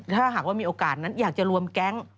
ถ้าหากว่ามีโอกาสนั้นอยากจะรวมแก๊ง